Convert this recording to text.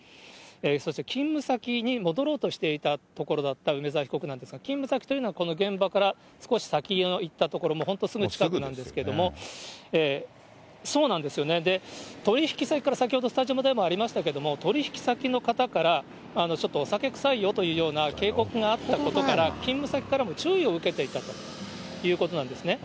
そして勤務先に戻ろうとしていたところだった梅沢被告なんですが、勤務先というのは、この現場から少し先に行った所、本当にすぐ近くなんですけれども、取り引き先から、先ほどスタジオでもありましたけれども、取り引き先の方からちょっとお酒臭いよというような警告があったことから、勤務先からも注意を受けていたということなんですね。